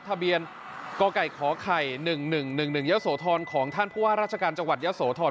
ทะเบียนกไก่ขไข่๑๑๑๑ยะโสธรของท่านผู้ว่าราชการจังหวัดยะโสธร